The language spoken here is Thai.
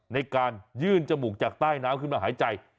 ในการยื่นจมูกจากใต้น้ำขึ้นมาหายใจ